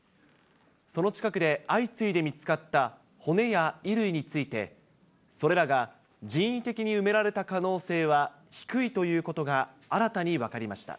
その近くで相次いで見つかった骨や衣類について、それらが人為的に埋められた可能性は低いということが新たに分かりました。